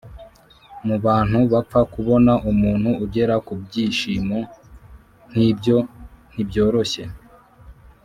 mu bantu bapfa, kubona umuntu ugera ku byishimo nk’ibyo ntibyoroshye.”